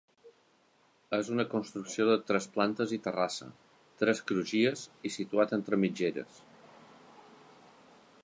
És una construcció de tres plantes i terrassa, tres crugies i situat entre mitgeres.